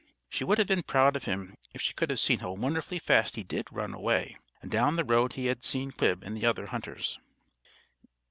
She would have been proud of him if she could have seen how wonderfully fast he did run away, down the road he had seen Quib and the other hunters.